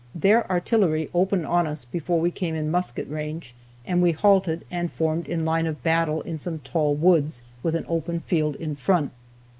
Their artillery opened on us before we came in musket range, and we halted and formed in line of battle in some tall woods, with an open field in front.